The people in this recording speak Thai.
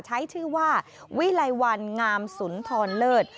ใช้ชื่อว่าวิไลวันงามสุนทรเลิศ